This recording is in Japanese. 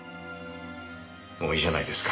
もういいじゃないですか。